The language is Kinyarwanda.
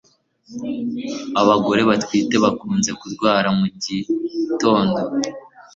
Abagore batwite bakunze kurwara mugitondo